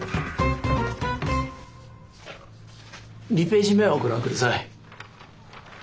２ページ目をご覧ください。